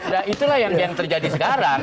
nah itulah yang terjadi sekarang